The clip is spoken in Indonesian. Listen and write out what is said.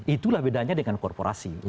itulah bedanya dengan korporasi